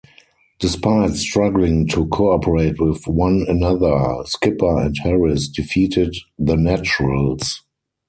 Despite struggling to cooperate with one another, Skipper and Harris defeated The Naturals.